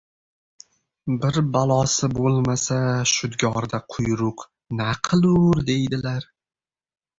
Bir balosi bo‘lmasa shudgorda quyruq na qilur, deydilar.